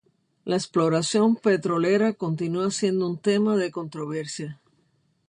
La exploración petrolera continúa siendo un tema de controversia.